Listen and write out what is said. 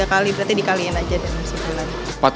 tiga kali berarti dikaliin aja dalam sebulan